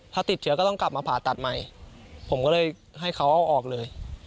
ถ้าติดเชื้อก็ต้องกลับมาผ่าตัดใหม่ผมก็เลยให้เขาเอาออกเลย